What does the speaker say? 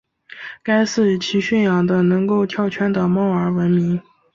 该寺以其训养的能够跳圈的猫而闻名。